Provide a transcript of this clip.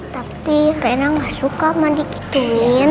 tapi rena gak suka mandi gituin